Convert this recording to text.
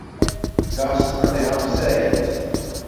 Kas mani apsēdis?